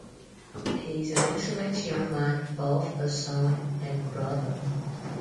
He is an excellent young man, both as son and brother.